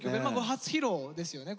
初披露ですよね？